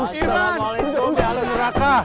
assalamualaikum ya ahli neraka